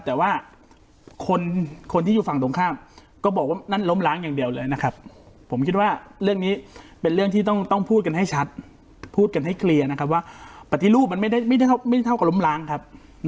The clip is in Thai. แต่ว่าคนที่อยู่ฝั่งตรงข้างก็บอกว่านั่นล้มล้างอย่างเดียวเลยนะครับ